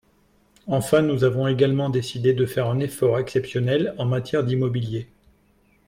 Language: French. Enfin, nous avons également décidé de faire un effort exceptionnel en matière d’immobilier.